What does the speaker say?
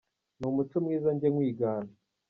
N'umuco mwiza njye nkwigana